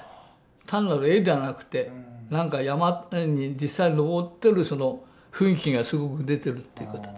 単なる絵ではなくて何か山に実際に登ってる雰囲気がすごく出てるっていうことで。